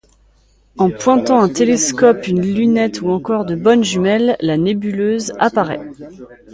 En pointant un télescope, une lunette ou encore de bonnes jumelles, la nébuleuse apparaît.